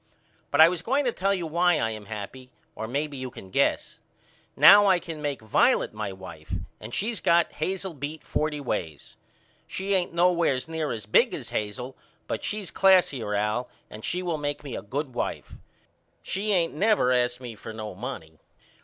But I was going to tell you why I am happy or maybe you can guess. Now I can make Violet my wife and she's got Hazel beat forty ways. She ain't nowheres near as big as Hazel but she's classier Al and she will make me a good wife. She ain't never asked me for no money.